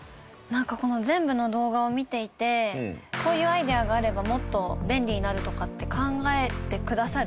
なんかこの全部の動画を見ていてこういうアイデアがあればもっと便利になるとかって考えてくださる。